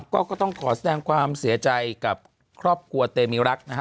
ก็ต้องขอแสดงความเสียใจกับครอบครัวเตมีรักนะฮะ